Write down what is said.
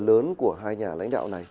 rất là lớn của hai nhà lãnh đạo này